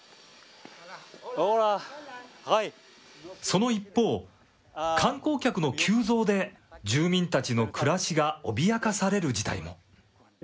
その一方、観光客の急増で住民たちの暮らしが脅かされる事態も。